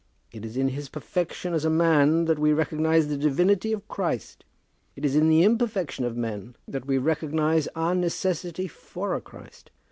It is in his perfection as a man that we recognize the divinity of Christ. It is in the imperfection of men that we recognize our necessity for a Christ.